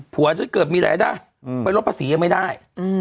ผัวจะเกิดมีร้ายด้านมันลดภาษียังไม่ได้